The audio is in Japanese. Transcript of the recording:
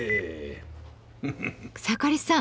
草刈さん